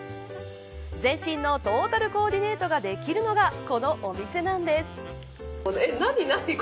全身のトータルコーディネートができるのがこのお店なんです。